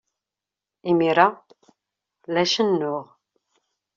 Imir-a, la cennuɣ.